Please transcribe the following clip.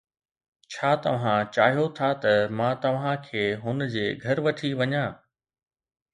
ڇا توهان چاهيو ٿا ته مان توهان کي هن جي گهر وٺي وڃان؟